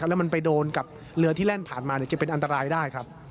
แล้วมันไปโดนกับเรือที่แล่นผ่านมาจะเป็นอันตรายได้ครับ